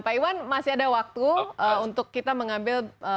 pak iwan masih ada waktu untuk kita mengambil